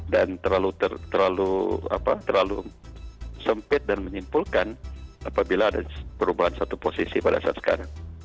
dan terlalu sempit dan menyimpulkan apabila ada perubahan satu posisi pada saat sekarang